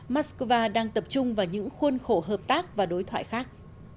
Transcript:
moscow đang tập trung vào những khuôn khổ hợp tác và đối thoại khác